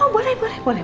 oh boleh boleh boleh